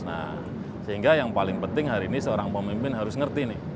nah sehingga yang paling penting hari ini seorang pemimpin harus ngerti nih